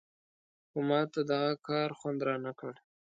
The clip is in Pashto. خو ماته دغه کار خوند نه راکړ.